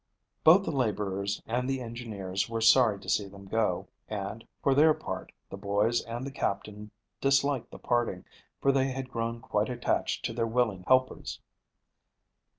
Both the laborers and engineers were sorry to see them go, and, for their part, the boys and the captain disliked the parting, for they had grown quite attached to their willing helpers.